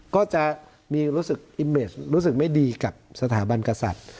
ก็จะมีรู้สึกอิมเมสรู้สึกไม่ดีกับสถาบันกษัตริย์